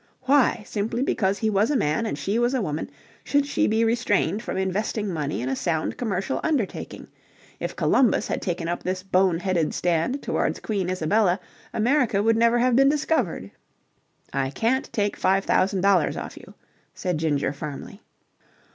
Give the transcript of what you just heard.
Why, simply because he was a man and she was a woman, should she be restrained from investing money in a sound commercial undertaking? If Columbus had taken up this bone headed stand towards Queen Isabella, America would never have been discovered. "I can't take five thousand dollars off you," said Ginger firmly.